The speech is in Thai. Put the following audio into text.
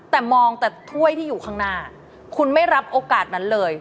แต่มองแต่ถ้วยที่อยู่ข้างหน้าคุณไม่รับโอกาสนั้นเลย